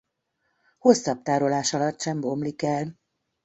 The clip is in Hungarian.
Hosszabb tárolás alatt sem bomlik el.